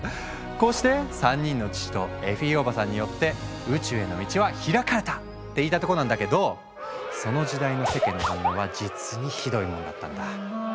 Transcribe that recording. こうして３人の父とエフィーおばさんによって宇宙への道は開かれた！って言いたいとこなんだけどその時代の世間の反応は実にひどいもんだったんだ。